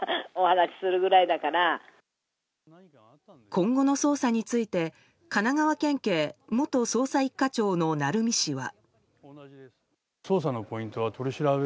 今後の捜査について神奈川県警元捜査１課長の鳴海氏は。